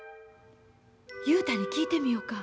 雄太に聞いてみよか。